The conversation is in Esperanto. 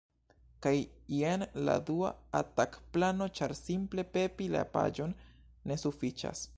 Kaj jen la dua atak-plano ĉar simple pepi la paĝon ne sufiĉas